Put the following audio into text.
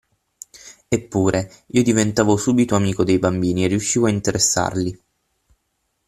Eppure, io diventavo subito amico dei bambini e riuscivo a interessarli.